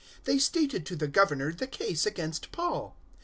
They stated to the Governor the case against Paul.